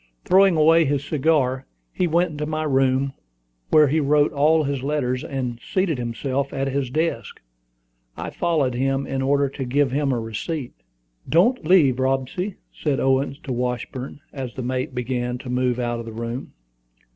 Throwing away his cigar, he went into my room, where he wrote all his letters, and seated himself at his desk. I followed him, in order to give him a receipt. "Don't leave, Robsy," said Owen to Washburn, as the mate began to move out of the room.